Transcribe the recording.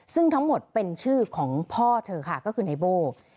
ซึ่งทั้งหมดเป็นชื่อของพ่อเธอค่ะก็คือไนโบ้